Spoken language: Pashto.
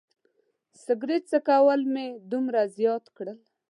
سګرټ څکول مې دومره زیات کړل.